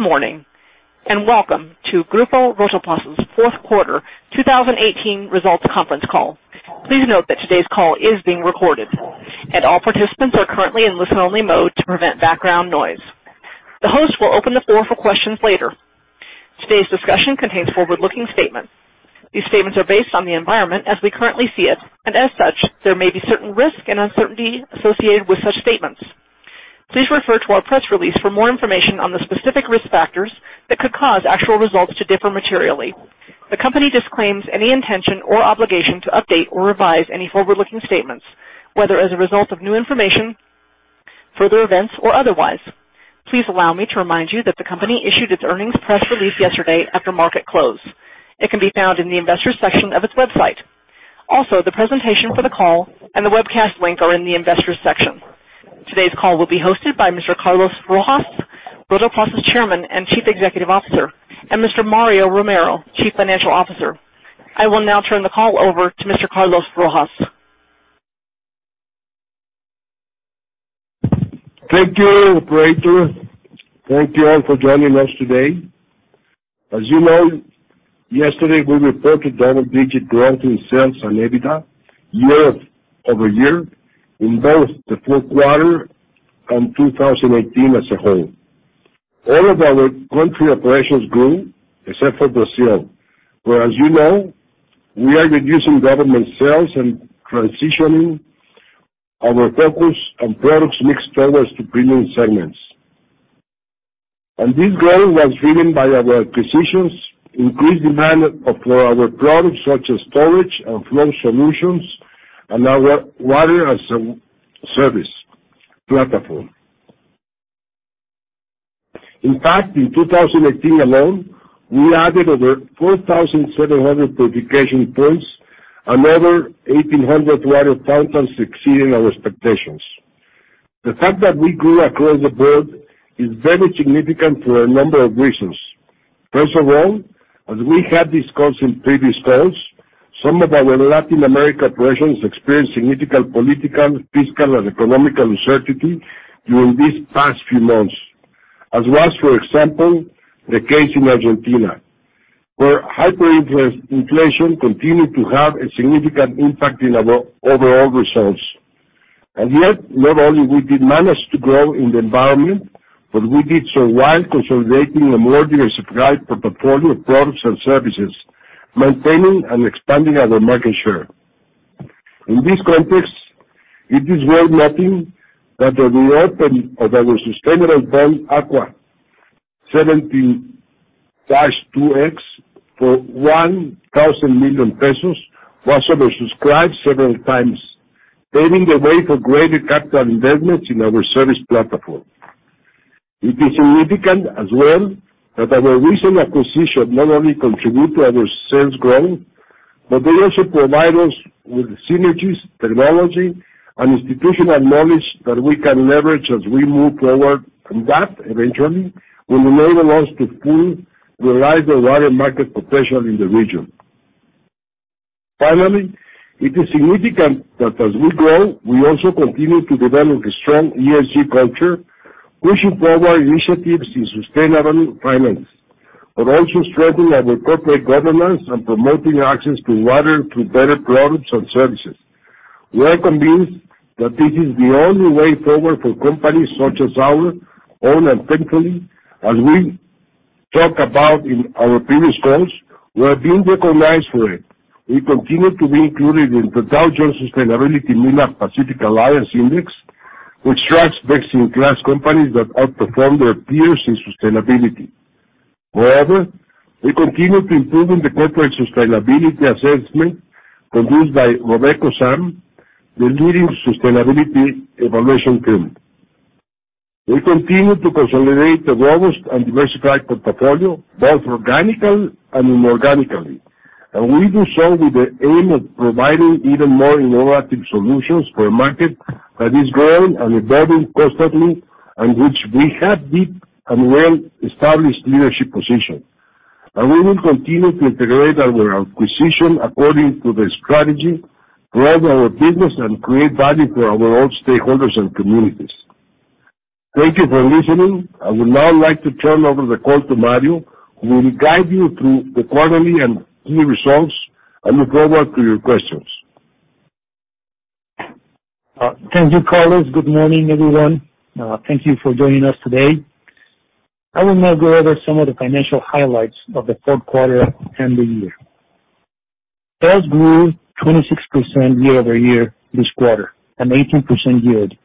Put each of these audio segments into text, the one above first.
Good morning, and welcome to Grupo Rotoplas' fourth quarter 2018 results conference call. Please note that today's call is being recorded, and all participants are currently in listen-only mode to prevent background noise. The host will open the floor for questions later. Today's discussion contains forward-looking statements. These statements are based on the environment as we currently see it, and as such, there may be certain risks and uncertainty associated with such statements. Please refer to our press release for more information on the specific risk factors that could cause actual results to differ materially. The company disclaims any intention or obligation to update or revise any forward-looking statements, whether as a result of new information, further events or otherwise. Please allow me to remind you that the company issued its earnings press release yesterday after market close. It can be found in the Investors section of its website. The presentation for the call and the webcast link are in the Investors section. Today's call will be hosted by Mr. Carlos Rojas, Rotoplas' Chairman and Chief Executive Officer, and Mr. Mario Romero, Chief Financial Officer. I will now turn the call over to Mr. Carlos Rojas. Thank you, operator. Thank you all for joining us today. As you know, yesterday, we reported double-digit growth in sales and EBITDA year-over-year in both the fourth quarter and 2018 as a whole. All of our country operations grew except for Brazil, where, as you know, we are reducing government sales and transitioning our focus on products mixed onwards to premium segments. This growth was driven by our acquisitions, increased demand for our products such as storage and flow solutions and our water-as-a-service platform. In fact, in 2018 alone, we added over 4,700 purification points, another 1,800 water fountains exceeding our expectations. The fact that we grew across the board is very significant for a number of reasons. First of all, as we have discussed in previous calls, some of our Latin America operations experienced significant political, fiscal, and economical uncertainty during these past few months. As was, for example, the case in Argentina, where hyperinflation continued to have a significant impact in our overall results. Yet, not only we did manage to grow in the environment, but we did so while consolidating a more diversified portfolio of products and services, maintaining and expanding our market share. In this context, it is worth noting that the re-open of our sustainable bond, AGUA 17-2X, for 1,000 million pesos was oversubscribed several times, paving the way for greater capital investments in our service platform. It is significant as well that our recent acquisition not only contribute to our sales growth, but they also provide us with synergies, technology, and institutional knowledge that we can leverage as we move forward, and that, eventually, will enable us to fully realize the water market potential in the region. Finally, it is significant that as we grow, we also continue to develop a strong ESG culture, pushing forward initiatives in sustainable finance, but also strengthening our corporate governance and promoting access to water through better products and services. We are convinced that this is the only way forward for companies such as ours. Thankfully, as we talk about in our previous calls, we are being recognized for it. We continue to be included in the Dow Jones Sustainability MILA Pacific Alliance Index, which tracks best-in-class companies that outperform their peers in sustainability. Moreover, we continue to improve in the Corporate Sustainability Assessment produced by RobecoSAM, the leading sustainability evaluation firm. We continue to consolidate a robust and diversified portfolio, both organically and inorganically. We do so with the aim of providing even more innovative solutions for a market that is growing and evolving constantly and which we have deep and well-established leadership position. We will continue to integrate our acquisition according to the strategy, grow our business, and create value for our stakeholders and communities. Thank you for listening. I would now like to turn over the call to Mario, who will guide you through the quarterly and key results and look forward to your questions. Thank you, Carlos. Good morning, everyone. Thank you for joining us today. I will now go over some of the financial highlights of the fourth quarter and the year. Sales grew 26% year-over-year this quarter and 18% year-to-date,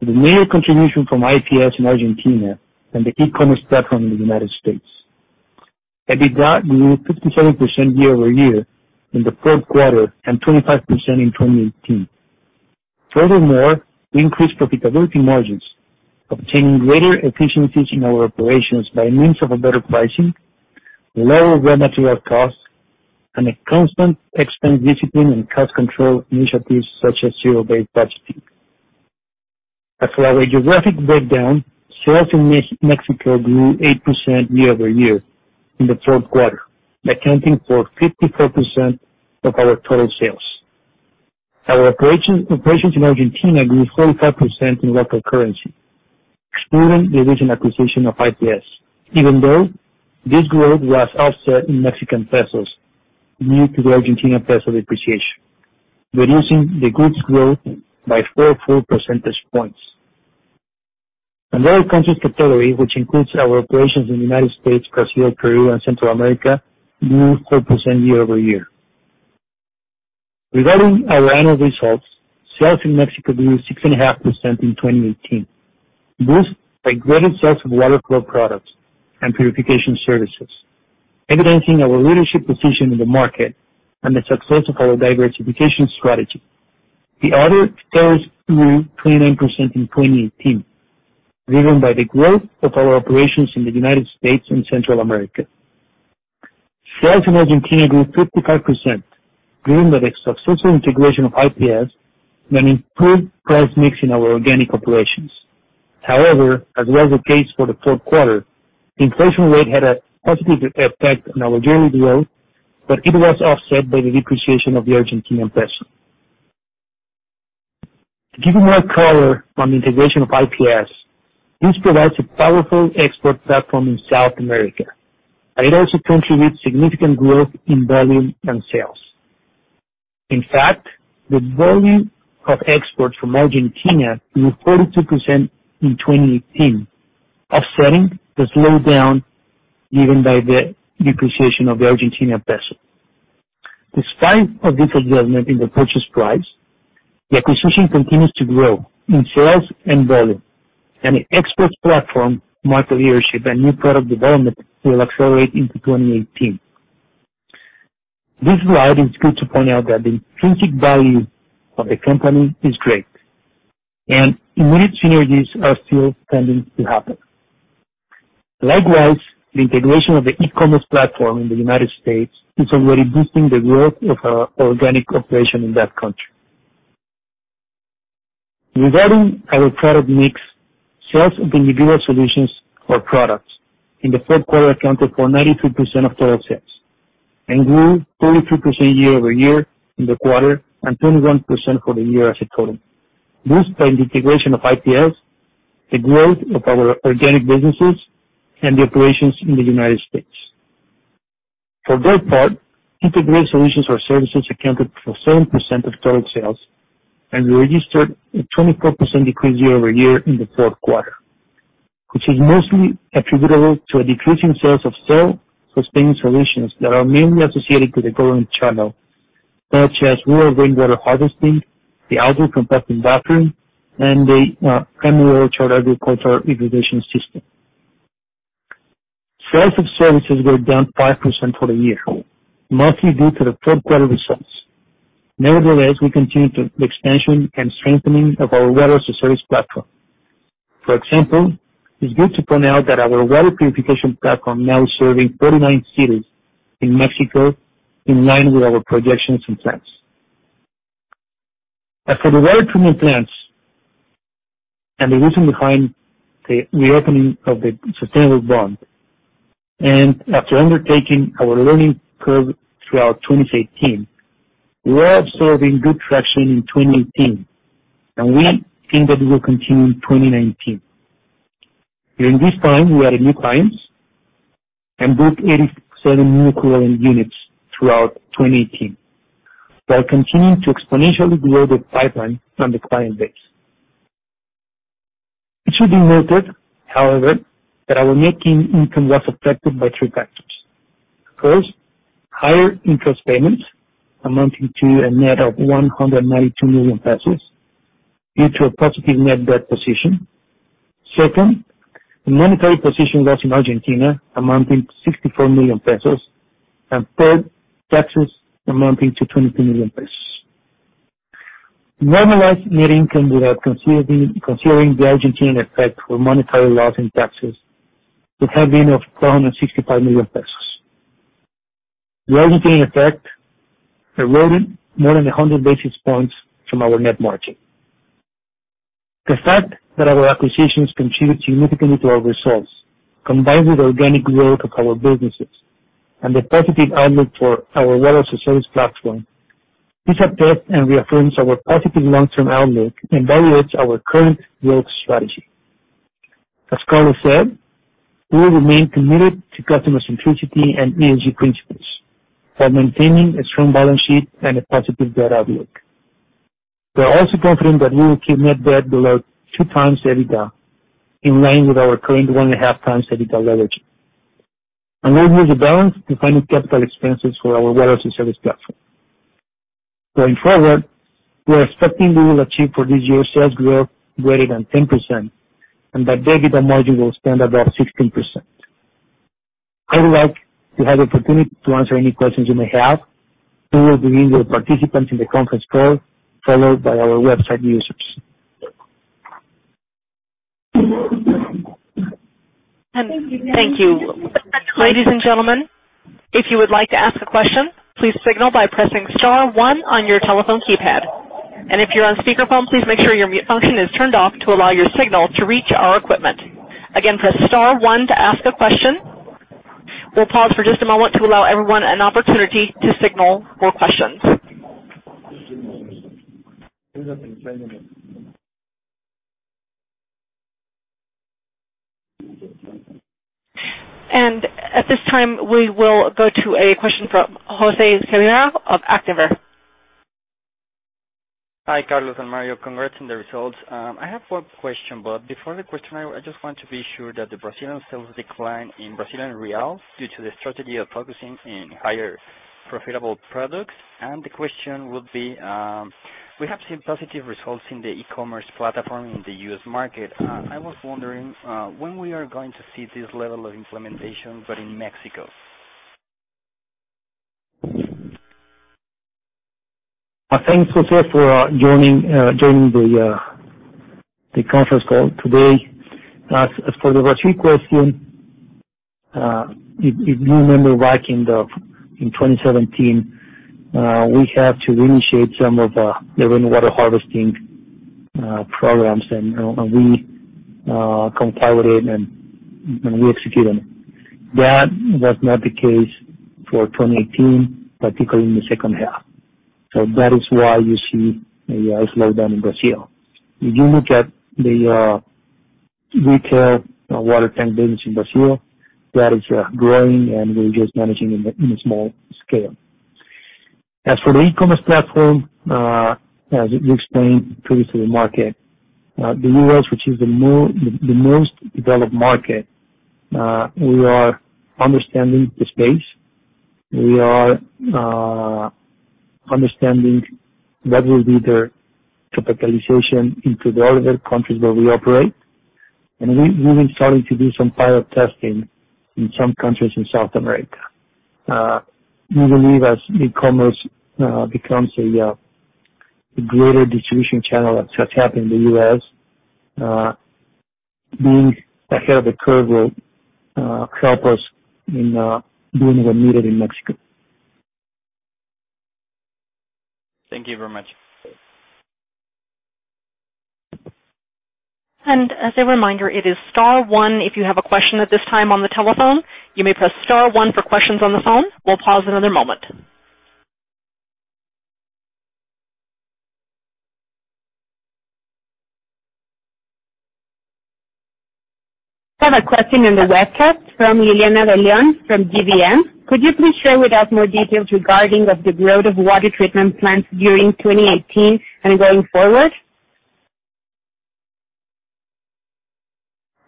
with a major contribution from IPS in Argentina and the e-commerce platform in the U.S. EBITDA grew 57% year-over-year in the third quarter and 25% in 2018. Furthermore, we increased profitability margins, obtaining greater efficiencies in our operations by means of better pricing, lower raw material costs, and a constant expense discipline and cost control initiatives such as zero-based budgeting. As for our geographic breakdown, sales in Mexico grew 8% year-over-year in the third quarter, accounting for 54% of our total sales. Our operations in Argentina grew 45% in local currency, excluding the recent acquisition of IPS. Even though this growth was offset in MXN due to the ARS peso depreciation, reducing the group's growth by four full percentage points. Other countries totality, which includes our operations in the U.S., Brazil, Peru, and Central America, grew 4% year-over-year. Regarding our annual results, sales in Mexico grew 6.5% in 2018, boosted by greater sales of water flow products and purification services, evidencing our leadership position in the market and the success of our diversification strategy. The other sales grew 29% in 2018, driven by the growth of our operations in the U.S. and Central America. Sales in Argentina grew 55%, driven by the successful integration of IPS and improved price mix in our organic operations. As was the case for the fourth quarter, inflation rate had a positive effect on our yearly growth, but it was offset by the depreciation of the Argentine peso. To give you more color on the integration of IPS, this provides a powerful export platform in South America, and it also contributes significant growth in volume and sales. In fact, the volume of exports from Argentina grew 42% in 2018, offsetting the slowdown given by the depreciation of the Argentine peso. Despite a different development in the purchase price, the acquisition continues to grow in sales and volume, and the exports platform, market leadership, and new product development will accelerate into 2018. This slide is good to point out that the intrinsic value of the company is great, and immediate synergies are still pending to happen. Likewise, the integration of the e-commerce platform in the U.S. is already boosting the growth of our organic operation in that country. Regarding our product mix, sales of individual solutions or products in the fourth quarter accounted for 93% of total sales and grew 33% year-over-year in the quarter and 21% for the year as a total. Boosted by the integration of IPS, the growth of our organic businesses, and the operations in the U.S. For their part, integrated solutions or services accounted for 7% of total sales and registered a 24% decrease year-over-year in the fourth quarter, which is mostly attributable to a decrease in sales of self-sustaining solutions that are mainly associated with the government channel, such as rural rainwater harvesting, the [Alga composting bathroom], and the primary agricultural irrigation system. Sales of services were down 5% for the year, mostly due to the third quarter results. Nevertheless, we continue the expansion and strengthening of our water-as-a-service platform. For example, it's good to point out that our water purification platform now is serving 39 cities in Mexico in line with our projections and plans. As for the water treatment plants and the reason behind the reopening of the sustainable bond, and after undertaking our learning curve throughout 2018, we are observing good traction in 2018, and we think that it will continue in 2019. During this time, we added new clients and booked 87 new recurring units throughout 2018, while continuing to exponentially grow the pipeline and the client base. It should be noted, however, that our net income was affected by three factors. First, higher interest payments amounting to a net of 192 million pesos due to a positive net debt position. Second, the monetary position loss in Argentina amounting to 64 million pesos. Third, taxes amounting to 22 million pesos. Normalized net income without considering the Argentine effect or monetary loss and taxes would have been of 465 million pesos. The Argentine effect eroded more than 100 basis points from our net margin. The fact that our acquisitions contribute significantly to our results, combined with organic growth of our businesses and the positive outlook for our water-as-a-service platform, this updates and reaffirms our positive long-term outlook and validates our current growth strategy. As Carlos said, we remain committed to customer centricity and ESG principles, while maintaining a strong balance sheet and a positive debt outlook. We are also confident that we will keep net debt below two times EBITDA, in line with our current one and a half times EBITDA leverage. We'll use the balance to fund CapEx for our water-as-a-service platform. Going forward, we're expecting we will achieve for this year sales growth greater than 10%, and that EBITDA margin will stand above 16%. I would like to have the opportunity to answer any questions you may have. We will begin with participants in the conference call, followed by our website users. Thank you. Ladies and gentlemen, if you would like to ask a question, please signal by pressing star one on your telephone keypad. If you're on speakerphone, please make sure your mute function is turned off to allow your signal to reach our equipment. Again, press star one to ask a question. We'll pause for just a moment to allow everyone an opportunity to signal for questions. At this time, we will go to a question from José Rivera of Actinver. Hi, Carlos and Mario. Congrats on the results. I have one question. Before the question, I just want to be sure that the Brazilian sales decline in BRL is due to the strategy of focusing on higher profitable products. The question would be, we have seen positive results in the e-commerce platform in the U.S. market. I was wondering when we are going to see this level of implementation, in Mexico. Thanks, José, for joining the conference call today. As for the Brazil question, if you remember back in 2017, we had to initiate some of the rainwater harvesting programs, we compiled it, we executed. That was not the case for 2018, particularly in the second half. That is why you see a slowdown in Brazil. If you look at the retail water tank business in Brazil, that is growing, and we're just managing in a small scale. As for the e-commerce platform, as we explained previously to the market, the U.S., which is the most developed market, we are understanding the space. We are understanding what will be the capitalization into the other countries where we operate. We've been starting to do some pilot testing in some countries in South America. We believe as e-commerce becomes a greater distribution channel, as has happened in the U.S., being ahead of the curve will help us in doing what we needed in Mexico. Thank you very much. As a reminder, it is star one if you have a question at this time on the telephone. You may press star one for questions on the phone. We'll pause another moment. I have a question in the webcast from Liliana De Leon from GBM. Could you please share with us more details regarding the growth of water treatment plants during 2018 and going forward?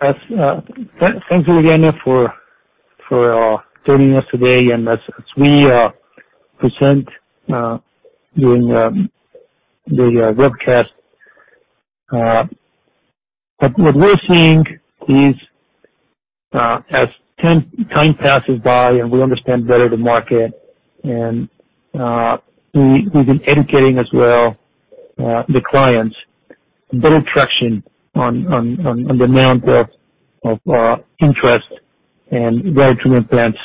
Thanks, Liliana, for joining us today. As we present during the webcast, what we're seeing is, as time passes by and we understand better the market, and we've been educating as well the clients, better traction on demand of interest and water treatment plants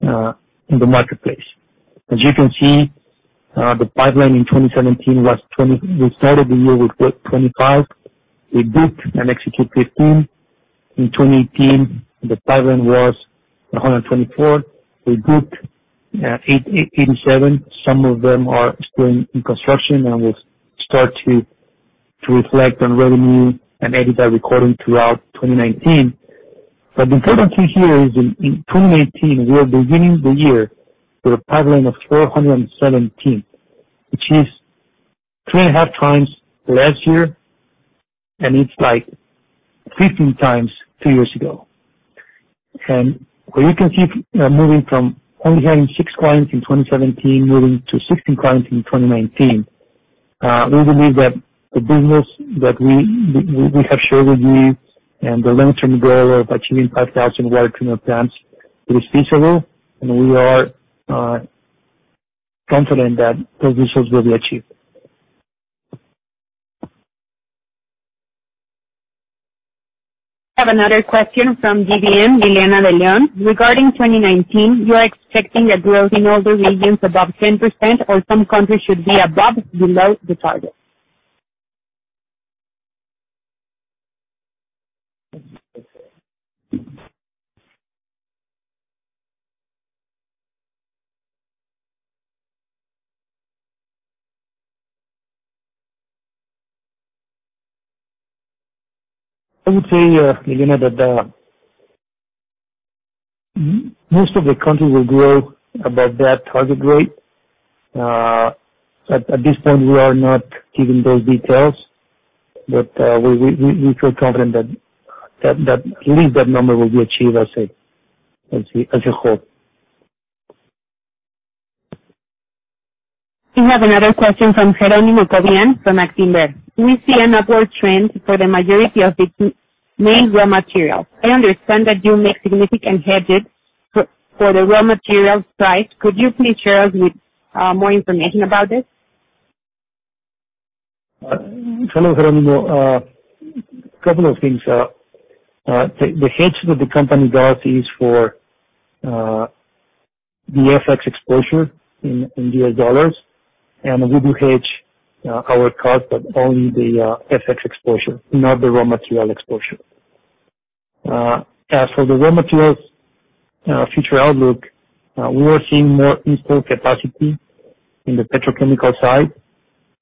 in the marketplace. As you can see, the pipeline in 2017, we started the year with 25. We booked and executed 15. In 2018, the pipeline was 124. We booked 87. Some of them are still in construction and will start to reflect on revenue and EBITDA recording throughout 2019. The important thing here is, in 2019, we are beginning the year with a pipeline of 417, which is 2.5 times last year, and it's like 15 times two years ago. You can see, moving from only having six clients in 2017 moving to 16 clients in 2019. We believe that the business that we have shared with you and the long-term goal of achieving 5,000 water treatment plants is feasible. We are confident that those results will be achieved. I have another question from GBM, Liliana De Leon. Regarding 2019, you are expecting a growth in all the regions above 10% or some countries should be above/below the target? I would say, Liliana, that most of the countries will grow above that target rate. At this point, we are not giving those details. We feel confident that at least that number will be achieved, as you hope. We have another question from Jerónimo Cobián from Actinver. We see an upward trend for the majority of the main raw materials. I understand that you make significant hedges for the raw materials price. Could you please share with us more information about this? Hello, Jerónimo. A couple of things. The hedge that the company does is the FX exposure in US dollars, and we do hedge our cost, but only the FX exposure, not the raw material exposure. As for the raw materials future outlook, we are seeing more export capacity in the petrochemical side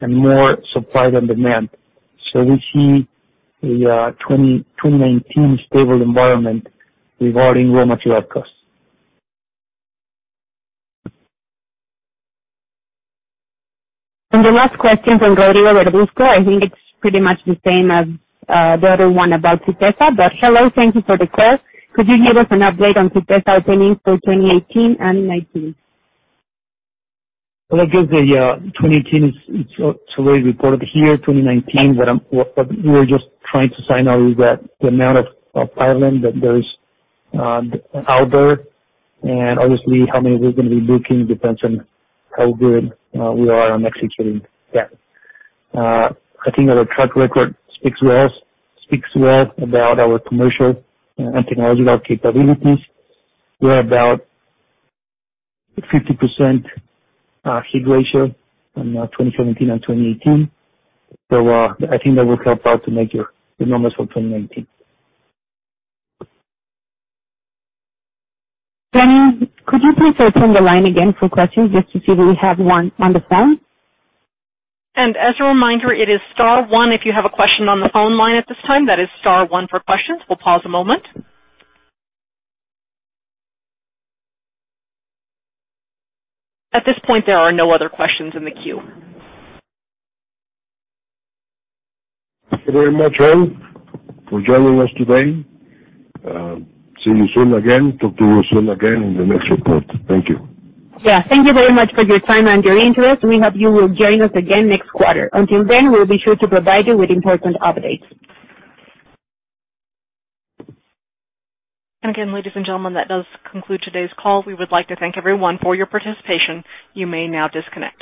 and more supply than demand. We see a 2019 stable environment regarding raw material costs. The last question from Claudio at Bradesco, I think it's pretty much the same as the other one about Pipesa. Hello, thank you for the call. Could you give us an update on Pipesa openings for 2018 and 2019? Well, I guess the 2018 is already reported here. 2019, what we were just trying to sign out is that the amount of pipeline that there is out there, and obviously, how many we're going to be booking depends on how good we are on executing that. I think that our track record speaks well about our commercial and technological capabilities. We're about 50% hit ratio on 2017 and 2018. I think that will help out to make your numbers for 2019. Jenny, could you please open the line again for questions just to see if we have one on the phone? As a reminder, it is star one if you have a question on the phone line at this time. That is star one for questions. We'll pause a moment. At this point, there are no other questions in the queue. Thank you very much, all, for joining us today. See you soon again. Talk to you soon again in the next report. Thank you. Yeah, thank you very much for your time and your interest. We hope you will join us again next quarter. Until then, we'll be sure to provide you with important updates. Again, ladies and gentlemen, that does conclude today's call. We would like to thank everyone for your participation. You may now disconnect.